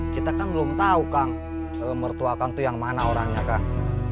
kita kan belum tahu kang mertua kang itu yang mana orangnya kang